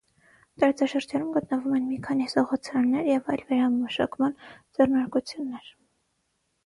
Տարածաշրջանում գտնվում են մի քանի սղոցարաններ և այլ վերամշակման ձեռնարկություններ։